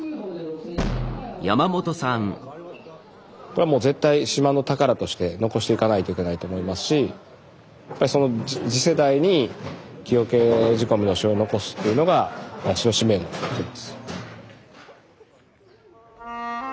これはもう絶対島の宝として残していかないといけないと思いますしやっぱりその次世代に木桶仕込みのしょうゆを残すっていうのが私の使命だと思ってます。